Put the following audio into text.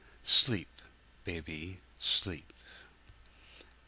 Sleep, baby, sleep!